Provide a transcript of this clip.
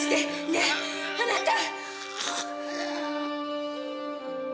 ねぇあなた！